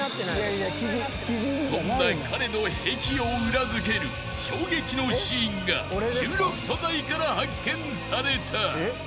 ［そんな彼の癖を裏付ける衝撃のシーンが収録素材から発見された］